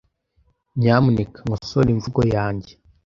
Nyamuneka nkosore imvugo yanjye.